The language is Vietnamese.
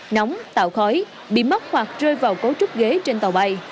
nóng tạo khói bị móc hoặc rơi vào cấu trúc ghế trên tàu bay